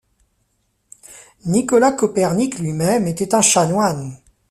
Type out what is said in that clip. Nicolas Copernic lui-même était un chanoine.